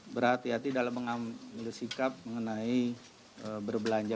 berhati hati dalam mengambil sikap mengenai berbelanja